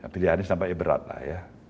pilih anies nampaknya berat lah ya